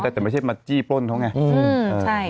แต่ไม่ใช่มาจี้ปล้นเขาไง